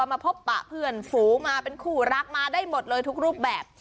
มาพบปะเพื่อนฝูงมาเป็นคู่รักมาได้หมดเลยทุกรูปแบบ